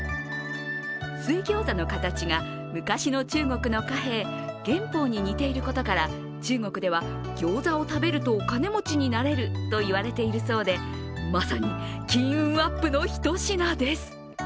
水餃子の形が昔の中国の貨幣、元宝に似ていることから中国では、餃子を食べるとお金持ちになれると言われているそうでまさに金運アップの一品です。